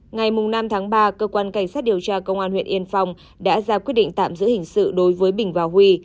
ngày năm tháng ba cơ quan cảnh sát điều tra công an huyện yên phong đã ra quyết định tạm giữ hình sự đối với bình và huy